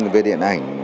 về điện ảnh